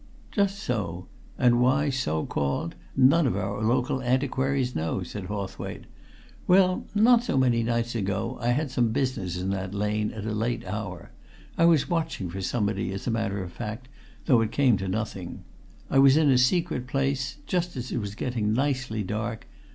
"Just so, and why so called none of our local antiquaries know," said Hawthwaite. "Well, not so many nights ago I had some business in that lane, at a late hour I was watching for somebody, as a matter of fact, though it came to nothing. I was in a secret place, just as it was getting nicely dark.